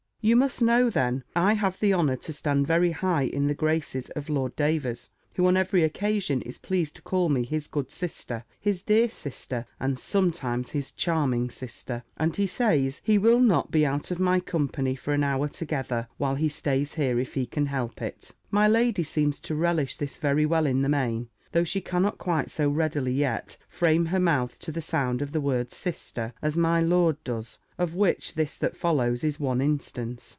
You must know, then, I have the honour to stand very high in the graces of Lord Davers, who on every occasion is pleased to call me his good Sister, his dear Sister, and sometimes his charming Sister, and he says, he will not be out of my company for an hour together, while he stays here, if he can help it. My lady seems to relish this very well in the main, though she cannot quite so readily, yet, frame her mouth to the sound of the word Sister, as my lord does; of which this that follows is one instance.